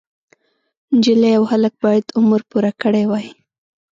نجلۍ او هلک باید عمر پوره کړی وای.